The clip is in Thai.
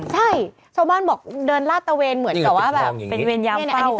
ใช่ชาวบ้านบอกเดินลาดตะเวนเหมือนกับว่าแบบเป็นเวรยามเฝ้า